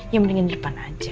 yang mendingan di depan aja